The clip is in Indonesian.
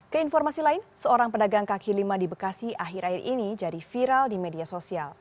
keinformasi lain seorang pedagang kaki lima di bekasi akhir akhir ini jadi viral di media sosial